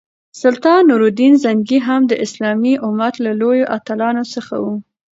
سلطان نور الدین زنګي هم د اسلامي امت له لویو اتلانو څخه وو.